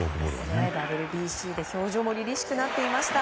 ＷＢＣで表情もりりしくなっていました。